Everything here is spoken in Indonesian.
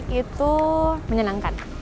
cantik itu menyenangkan